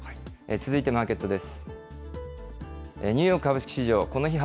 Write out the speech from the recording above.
続いてマーケットです。